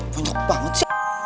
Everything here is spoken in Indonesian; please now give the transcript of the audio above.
banyak banget c